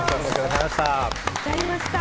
きちゃいました。